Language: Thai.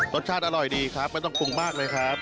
รสชาติอร่อยดีครับไม่ต้องปรุงมากเลยครับ